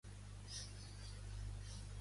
Telefona a la Lina Fall.